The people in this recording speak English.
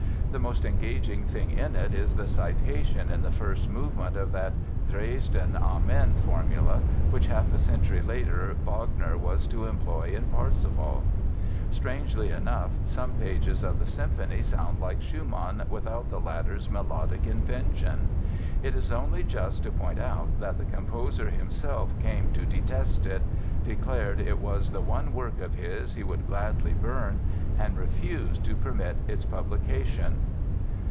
The most engaging thing in it is the citation in the first movement of that "Dresden Amen" formula, which half a century later Wagner was to employ in "Parsifal". Strangely enough, some pages of the symphony sound like Schumann without the latter's melodic invention. It is only just to point out that the composer himself came to detest it, declared it was the one work of his he would gladly burn and refused to permit its publication.